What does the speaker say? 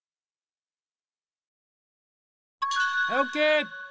はいオーケー。